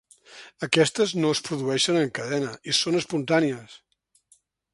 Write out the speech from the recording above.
Aquestes no es produeixen en cadena i són espontànies.